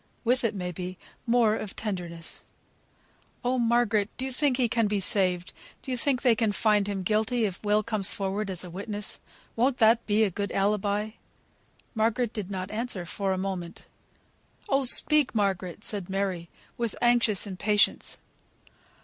With it, may be, more of tenderness. "Oh! Margaret, do you think he can be saved; do you think they can find him guilty if Will comes forward as a witness? Won't that be a good alibi?" Margaret did not answer for a moment. "Oh, speak! Margaret," said Mary, with anxious impatience.